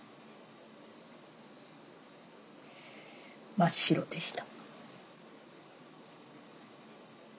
真っ白でした。